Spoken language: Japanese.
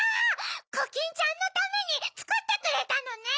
コキンちゃんのためにつくってくれたのね！